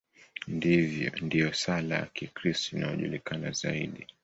Ndiyo sala ya Kikristo inayojulikana zaidi.